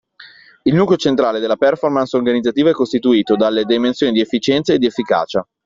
Il nucleo centrale della performance organizzativa è costituito dalle dimensioni di efficienza ed efficacia.